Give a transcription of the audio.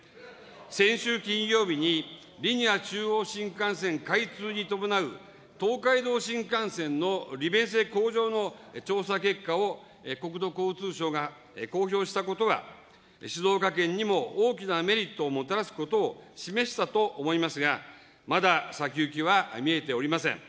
先週金曜日に、リニア中央新幹線開通に伴う東海道新幹線の利便性向上の調査結果を国土交通省が公表したことは、静岡県にも大きなメリットをもたらすことを示したと思いますが、まだ先行きは見えておりません。